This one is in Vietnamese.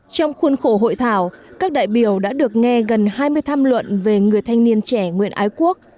trong khuôn khổ hội thảo các đại biểu đã được nghe gần hai mươi tham luận về người thanh niên trẻ nguyện ái quốc